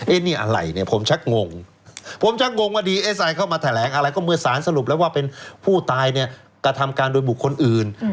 นี่อะไรเนี่ยผมชักงงผมชักงงว่าดีเอสไอเข้ามาแถลงอะไรก็เมื่อสารสรุปแล้วว่าเป็นผู้ตายเนี่ยกระทำการโดยบุคคลอื่น